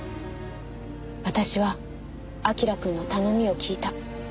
私は彬くんの頼みを聞いた。